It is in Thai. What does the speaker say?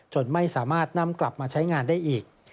ไม่สามารถนำกลับมาใช้งานได้อีก